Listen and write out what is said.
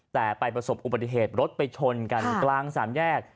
แต่ไปประสบอุบัติเหตุรถไปชนกันกลางสามแยก